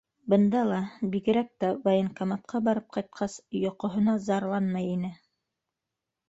...Бында ла, бигерәк тә военкоматҡа барып ҡайтҡас, йоҡоһона зарланмай ине.